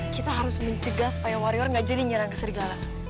kita harus mencegah supaya warior gak jadi nyarang ke serigala